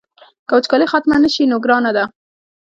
که وچکالي ختمه نه شي نو ګرانه ده.